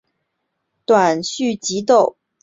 短序棘豆为豆科棘豆属下的一个种。